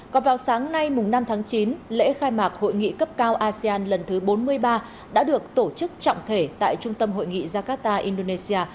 còn vào sáng nay năm tháng chín lễ khai mạc hội nghị cấp cao asean lần thứ bốn mươi ba đã được tổ chức trọng thể tại trung tâm hội nghị jakarta indonesia